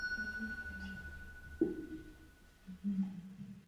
Mingská Čína je střídavě podporovala a stavěla proti sobě.